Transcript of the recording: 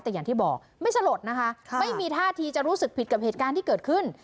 แต่อย่างที่บอกไม่สลดนะคะไม่มีท่าทีจะรู้สึกผิดกับเหตุการณ์ที่เกิดขึ้น